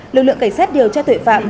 lực lượng cảnh sát điều tra thuệ phạm